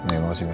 oke makasih ber